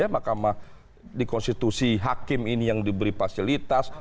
makamah di konstitusi hakim ini yang diberi fasilitas